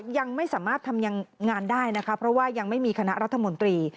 ยังไม่สามารถทำงานได้นะคะเพราะว่ายังไม่มีคณะรัฐมนตรี